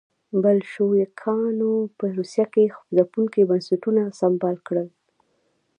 بلشویکانو په روسیه کې ځپونکي بنسټونه سمبال کړل.